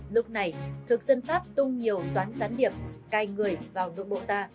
lúc này thực dân pháp tung nhiều toán gián điệp cai người vào nội bộ ta